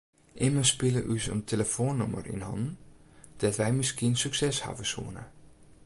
Immen spile ús in telefoannûmer yn hannen dêr't wy miskien sukses hawwe soene.